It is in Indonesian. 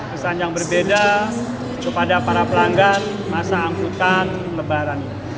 pesan yang berbeda kepada para pelanggan masa angkutan lebaran